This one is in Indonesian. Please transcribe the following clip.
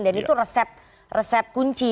dan itu resep kunci